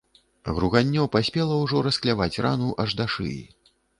Груганнё паспела ўжо раскляваць рану аж да шыі.